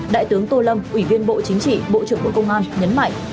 đại tướng tô lâm ủy viên bộ chính trị bộ trưởng bộ công an nhấn mạnh